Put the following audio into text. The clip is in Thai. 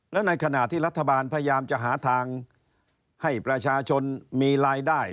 แล้วในขณะที่รัฐบาลพยายามจะหาทางให้ประชาชนมีรายได้